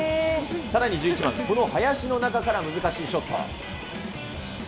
さらに１１番、この林の中から難しいショット。